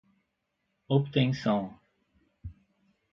obtenção